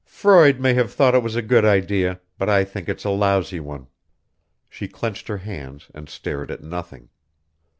"Freud may have thought it was a good idea, but I think it's a lousy one." She clenched her hands and stared at nothing.